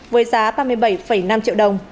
với giá ba mươi bảy năm triệu đồng